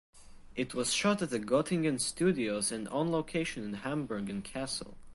It was shot at the Gottingen Studios and on location in Hamburg and Kassel.